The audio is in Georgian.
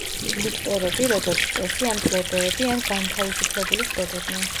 ლიქტორები როგორც წესი ან პლებეები ან განთავისუფლებული ხდებოდნენ.